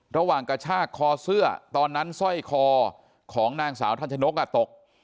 กระชากคอเสื้อตอนนั้นสร้อยคอของนางสาวทันชนกตก